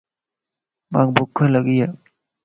مان ٻک لڳي ا.